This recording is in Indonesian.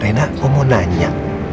rena om mau nanya